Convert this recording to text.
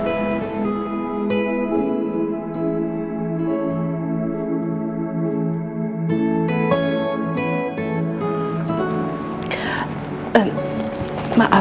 tapi ngerti kan